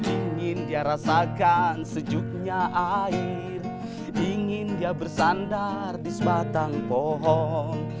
ingin dia rasakan sejuknya air ingin dia bersandar di sebatang pohon